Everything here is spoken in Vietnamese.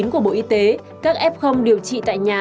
của bộ y tế các f điều trị tại nhà